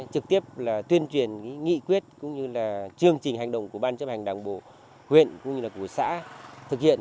trực tiếp là tuyên truyền nghị quyết cũng như là chương trình hành động của ban chấp hành đảng bộ huyện cũng như là của xã thực hiện